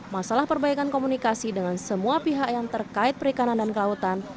masalah perbaikan komunikasi dengan semua pihak yang terkait perikanan dan kelautan